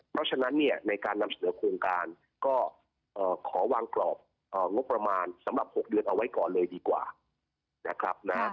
เพราะฉะนั้นเนี่ยในการนำเสนอโครงการก็ขอวางกรอบงบประมาณสำหรับ๖เดือนเอาไว้ก่อนเลยดีกว่านะครับนะ